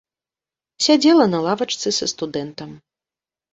Сядзела на лавачцы са студэнтам.